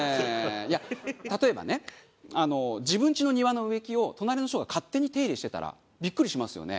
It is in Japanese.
いや例えばね自分んちの庭の植木を隣の人が勝手に手入れしてたらビックリしますよね？